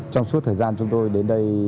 trong suốt thời gian chúng tôi đến đây